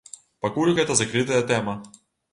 Пакуль гэта закрытая тэма.